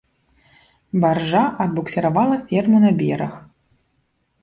Баржа адбуксіравала ферму на бераг.